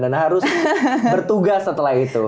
dan harus bertugas setelah itu